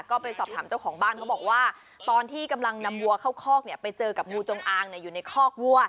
ก็ไปสอบถามเจ้าของบ้านเขาบอกว่าตอนที่กำลังนำวัวเข้าคอกเนี่ยไปเจอกับงูจงอางอยู่ในคอกวัว